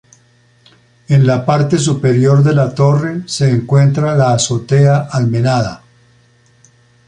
En la parte superior de la torre se encuentra la azotea almenada.